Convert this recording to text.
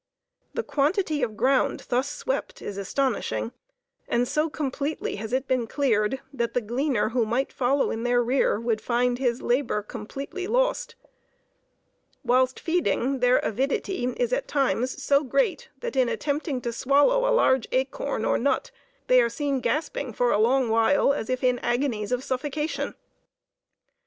The quantity of ground thus swept is astonishing, and so completely has it been cleared, that the gleaner who might follow in their rear would find his labor completely lost. Whilst feeding, their avidity is at times so great that in attempting to swallow a large acorn or nut, they are seen gasping for a long while, as if in agonies of suffocation.